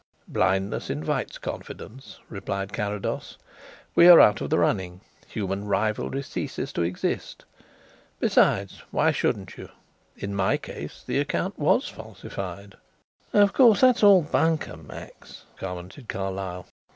"Blindness invites confidence," replied Carrados. "We are out of the running human rivalry ceases to exist. Besides, why shouldn't you? In my case the account was falsified." "Of course that's all bunkum, Max" commented Carlyle.